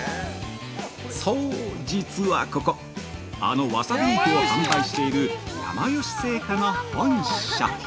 ◆そう、実はここ、あのわさビーフを販売している山芳製菓の本社。